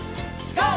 ＧＯ！